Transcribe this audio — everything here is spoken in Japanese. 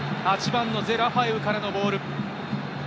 ８番のゼ・ラファエウからのボール。